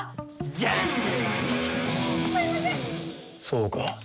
そうか。